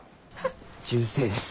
銃声です。